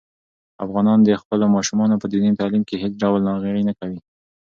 افغانان د خپلو ماشومانو په دیني تعلیم کې هېڅ ډول ناغېړي نه کوي.